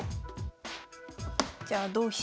じゃあ同飛車。